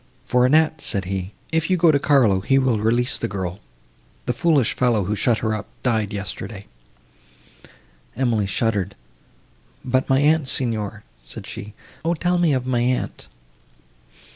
"For Annette," said he,—"if you go to Carlo, he will release the girl; the foolish fellow, who shut her up, died yesterday." Emily shuddered.—"But my aunt, Signor"—said she, "O tell me of my aunt!"